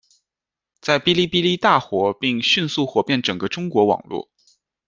在哔哩哔哩大火并迅速火遍整个中国网络。